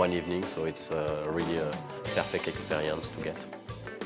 jadi ini adalah pengalaman yang sangat sempurna untuk saya